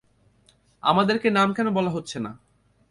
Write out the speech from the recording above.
আমাদেরকে নাম কেন বলা হচ্ছে না?